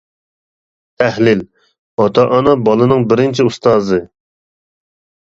تەھلىل: ئاتا ئانا بالىنىڭ بىرىنچى ئۇستازى.